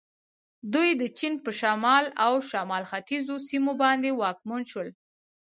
دوی د چین په شمال او شمال ختیځو سیمو باندې واکمن شول.